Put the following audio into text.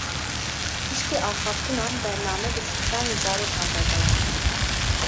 Piştî axaftinan, bername bi stranên zarokan berdewam kir